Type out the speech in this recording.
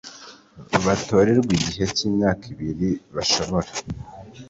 batorerwa igihe cy imyaka ibiri gishobora